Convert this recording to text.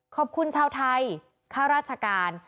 ขอบคุณชาวไทยข้าราชการ